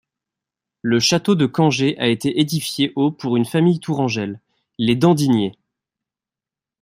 Le château de Cangé a été édifié au pour une famille tourangelle, les d'Andigné.